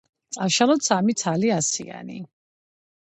წავშალოთ სამი ცალი ასიანი.